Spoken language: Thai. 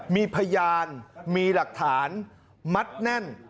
มีพยานมีหลักฐานมัดแน่น